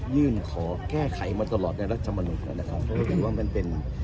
ยื่นขอแก้ไขมาตลอดในรัฐมนุนนะครับเพราะเห็นว่ามันเป็น